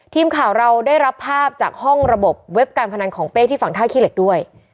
ทีมข่าวเราได้รับภาพจากห้องระบบเว็บการพนันของเป้ที่ฝั่งท่าขี้เหล็กด้วย